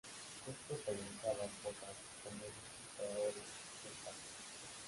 Es protagonizada por Francisco Melo y Paola Volpato.